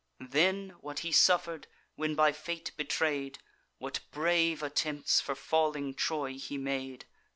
Then, what he suffer'd, when by Fate betray'd! What brave attempts for falling Troy he made!